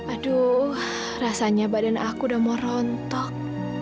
aduh rasanya badan aku udah mau rontok